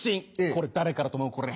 これ誰からだと思う？